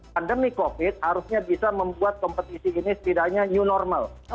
pandemi covid harusnya bisa membuat kompetisi ini setidaknya new normal